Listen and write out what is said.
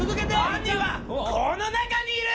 犯人はこの中にいる！